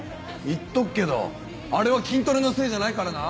言っとくけどあれは筋トレのせいじゃないからな。